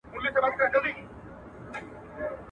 معشوقې په بې صبري کي کله چا میندلي دینه.